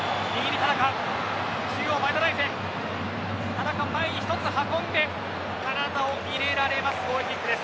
田中、前に１つ運んで体を入れられます。